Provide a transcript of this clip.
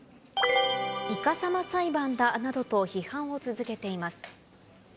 いかさま裁判だなどと批判を続けています。